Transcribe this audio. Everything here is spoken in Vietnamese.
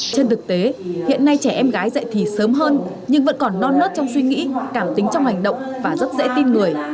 trên thực tế hiện nay trẻ em gái dạy thì sớm hơn nhưng vẫn còn non nớt trong suy nghĩ cảm tính trong hành động và rất dễ tin người